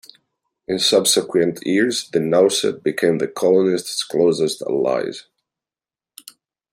In subsequent years, the Nauset became the colonists' closest allies.